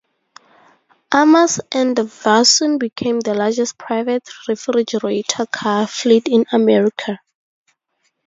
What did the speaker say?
Armour's endeavor soon became the largest private refrigerator car fleet in America.